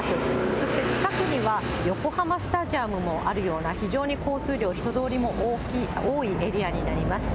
そして近くには横浜スタジアムもあるような、非常に交通量、人通りも多いエリアになります。